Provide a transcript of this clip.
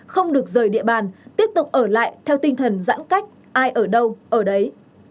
không được rời địa bàn tiếp tục ở lại theo tinh thần giãn cách ai ở đâu ở đấy